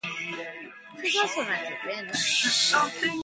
She is also nicely finished.